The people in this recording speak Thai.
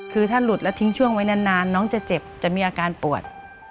คือถ้าหลุดแล้วทิ้งช่วงไว้นานน้องจะเจ็บจะมีอาการปวด